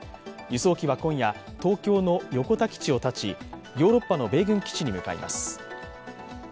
輸送機は今夜、東京の横田基地をたち、ヨーロッパの米軍基地に向かいます。